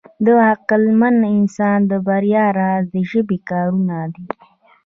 د عقلمن انسان د بریا راز د ژبې کارونه ده.